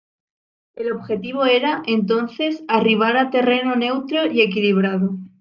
El objetivo era, entonces, arribar a terreno neutro y equilibrado.